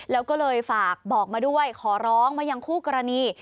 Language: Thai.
แล้วก็เลยฝากบอกมาด้วยขอร้องมายังคู่กรณี